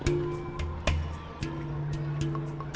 agama itu tidak akan berguna